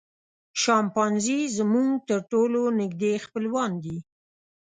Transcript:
شامپانزي زموږ تر ټولو نږدې خپلوان دي.